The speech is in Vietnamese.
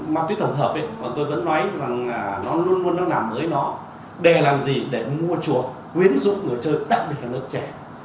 ma túy tổng hợp ý mà tôi vẫn nói rằng nó luôn luôn nó làm với nó đè làm gì để mua chùa quyến rũ người chơi đặc biệt là người trẻ